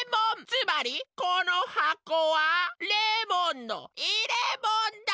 つまりこのはこはレモンのいれもんだ！